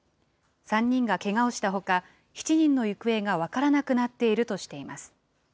３人がけがをしたほか、７人の行方が分からなくなっているとしています。